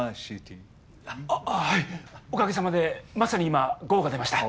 おかげさまでまさに今ゴーが出ました。